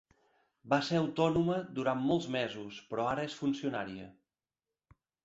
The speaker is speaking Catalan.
Va ser autònoma durant molts mesos, però ara és funcionària.